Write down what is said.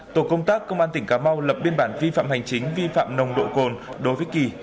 tổ công tác công an tỉnh cà mau lập biên bản vi phạm hành chính vi phạm nồng độ cồn đối với kỳ